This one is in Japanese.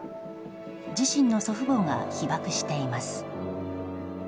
自身の祖父母が被爆しています。